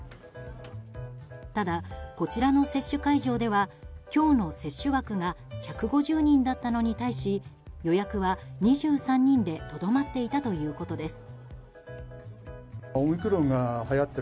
ただ、こちらの接種会場では今日の接種枠が１５０人だったのに対し予約は２３人でとどまっていたということです。